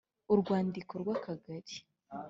Urwandiko rw Akagari